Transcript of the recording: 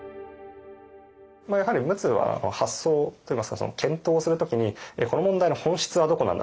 やはり陸奥は発想といいますか検討する時にこの問題の本質はどこなんだ